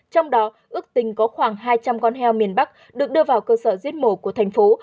trong đó ước tính có khoảng hai trăm linh con heo miền bắc được đưa vào cơ sở giết mổ của thành phố